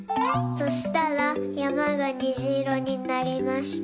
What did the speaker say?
そしたらやまがにじいろになりました。